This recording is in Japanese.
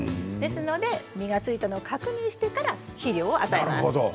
ですので実がついたのを確認してから肥料を与えます。